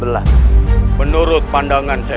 memastikan keputusan yang adil dan tidak berat sebelah